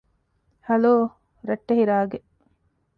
ހަލޯ! ރައްޓެހި ރާގެއް